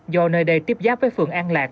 do nơi đây tiếp giáp với phường an lạc